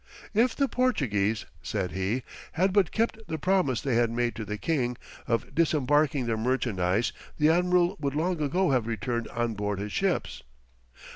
"If the Portuguese," said he, "had but kept the promise they had made to the king, of disembarking their merchandise, the admiral would long ago have returned on board his ships."